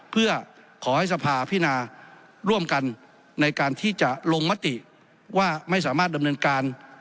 เพื่อขอให้สภาพินาร่วมกันในการที่จะลงมติว่าไม่สามารถดำเนินการ